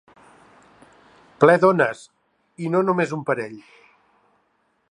Ple d'ones, i no només un parell.